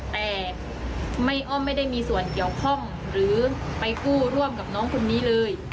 แต่ไม่อ้อมไม่ได้มีส่วนเกี่ยวข้องหรือไปกู้ร่วมกับน้องคนนี้เลย